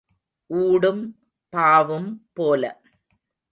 ஊடும் பாவும் போல.